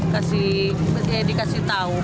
kasih ya dikasih tau